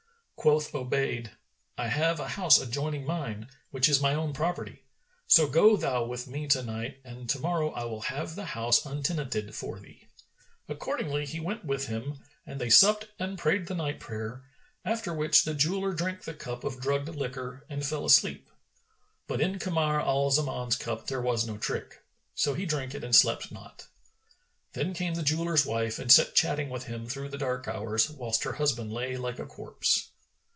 Quoth Obayd, "I have a house adjoining mine, which is my own property: so go thou with me to night and to morrow I will have the house untenanted for thee." Accordingly he went with him and they supped and prayed the night prayer, after which the jeweller drank the cup of drugged[FN#422] liquor and fell asleep: but in Kamar al Zaman's cup there was no trick; so he drank it and slept not. Then came the jeweller's wife and sat chatting with him through the dark hours, whilst her husband lay like a corpse.